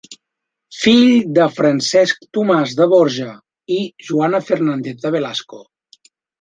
Fill de Francesc Tomàs de Borja i Joana Fernández de Velasco.